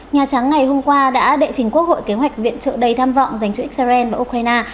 nhà trắng ngày hôm qua đã đệ trình quốc hội kế hoạch viện trợ đầy tham vọng dành cho israel và ukraine